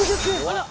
あら！